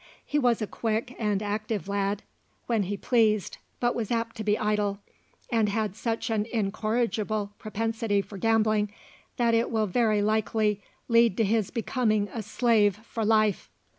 He was a quick and active lad when he pleased, but was apt to be idle, and had such an incorrigible propensity for gambling, that it will very likely lead to his becoming a slave for life.